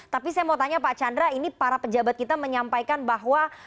tapi saya mau tanya pak chandra ini para pejabat kita menyampaikan bahwa